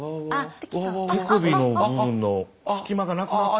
手首の部分の隙間がなくなって。